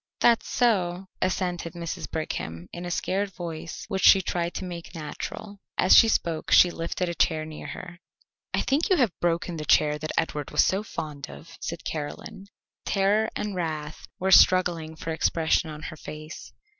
"That's so," assented Mrs. Brigham, in a scared voice which she tried to make natural. As she spoke she lifted a chair near her. "I think you have broken the chair that Edward was so fond of," said Caroline. Terror and wrath were struggling for expression on her face.